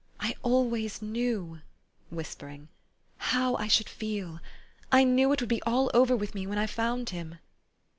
I always knew," whispering, '' how I should feel. I knew it would be all over with me when I found him."